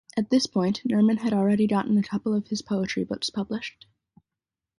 At this point Nerman had already gotten a couple of his poetry books published.